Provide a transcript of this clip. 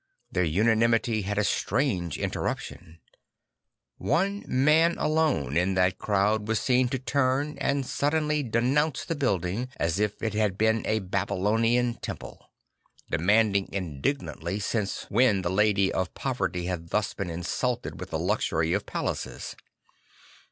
Their unanimity had a strange interruption. One man alone in that crowd was seen to turn and suddenly denounce the building as if it had been a Babylonian temple; demanding indignantly since when the Lady 'Ihe Alirror of Christ 149 Poverty had thus been insulted with the luxury of palaces.